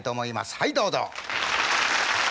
はいどうぞ。